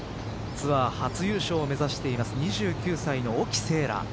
ツアー初優勝を目指しています２９歳の沖せいら。